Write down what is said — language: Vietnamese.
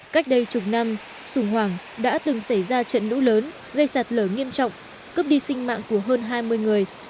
cách đây chục năm sùng hoàng đã từng xảy ra trận lũ lớn gây sạt lở nghiêm trọng cướp đi sinh mạng của hơn hai mươi người